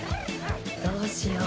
どうしよう。